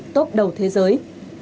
tốt đầu thế giới